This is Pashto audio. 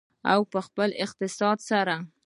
او په خپل اقتصاد سره.